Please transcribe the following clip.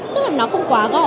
tức là nó không quá gói